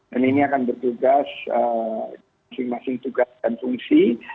dan ini akan bertugas masing masing tugas dan fungsi